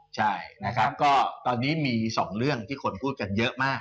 ใช่นะครับก็ตอนนี้มี๒เรื่องที่คนพูดกันเยอะมาก